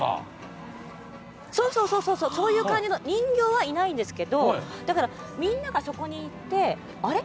そう、そういう感じの人形はいないんですがみんながそこに行ってあれ？